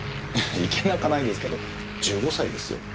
いけなかないですけど１５歳ですよ。